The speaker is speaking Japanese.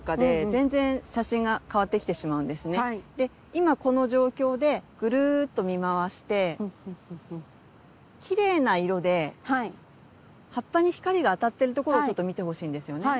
今この状況でぐるっと見回してきれいな色で葉っぱに光があたってるところをちょっと見てほしいんですよね。